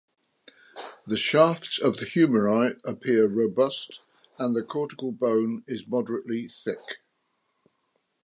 The shafts of the humeri appear robust and the cortical bone is moderately thick.